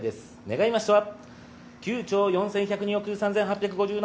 願いましては。